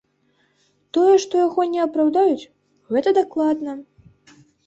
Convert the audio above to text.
Тое, што яго не апраўдаюць, гэта дакладна.